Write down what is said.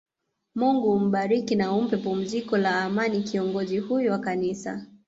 Mungu umbariki na umpe pumziko la Amani kiongozi huyu wa kanisa